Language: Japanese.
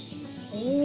お。